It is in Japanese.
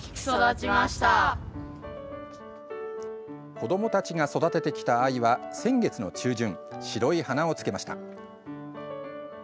子どもたちが育ててきた藍は先月の中旬、白い花をつけました。